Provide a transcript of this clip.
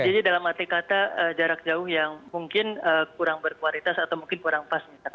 dalam arti kata jarak jauh yang mungkin kurang berkualitas atau mungkin kurang pas